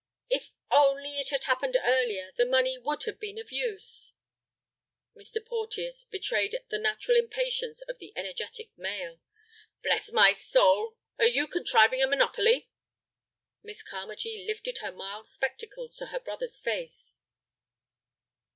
"If only it had happened earlier, the money would have been of use." Mr. Porteus betrayed the natural impatience of the energetic male. "Bless my soul, are you contriving a monopoly?" Miss Carmagee lifted her mild spectacles to her brother's face.